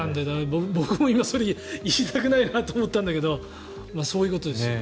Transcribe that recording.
僕も今それを言いたくないなと思ったんだけどそういうことですよ。